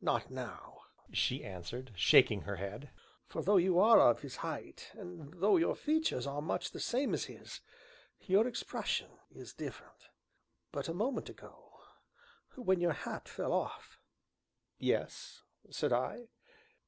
"Not now," she answered, shaking her head, "for though you are of his height, and though your features are much the same as his, your expression is different. But a moment ago when your hat fell off " "Yes?" said I.